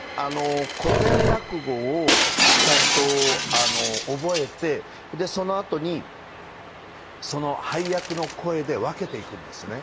古典落語をちゃんと覚えてそのあとにその配役の声で分けていくんですね。